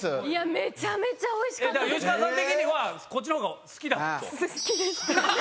めちゃめちゃおいしかったです。